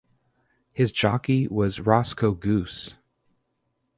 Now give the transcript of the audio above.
His jockey was Roscoe Goose.